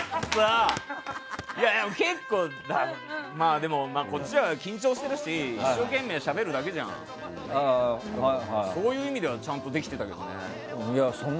でも、こっちは緊張してるし一生懸命しゃべるだけじゃん。そういう意味ではちゃんとできてたのかな。